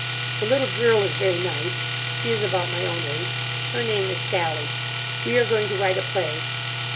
The little girl is very nice. She is about my own age. Her name is Sally. We are going to write a play.